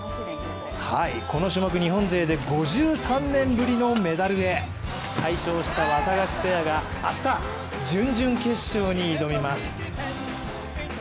この種目、日本勢で５３年ぶりのメダルへ快勝したワタガシペアが、明日、準々決勝に挑みます。